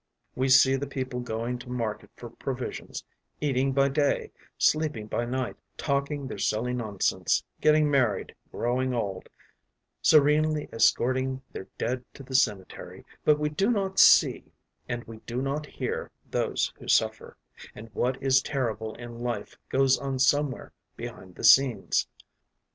We see the people going to market for provisions, eating by day, sleeping by night, talking their silly nonsense, getting married, growing old, serenely escorting their dead to the cemetery; but we do not see and we do not hear those who suffer, and what is terrible in life goes on somewhere behind the scenes....